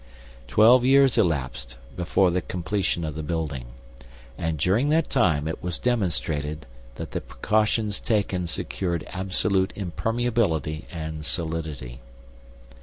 Twelve years elapsed before the completion of the building, and during that time it was demonstrated that the precautions taken secured absolute impermeability and solidity.